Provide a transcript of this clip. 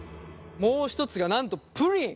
もう一つがなんとプリン。